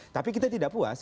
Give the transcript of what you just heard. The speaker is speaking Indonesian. tapi kita tidak puas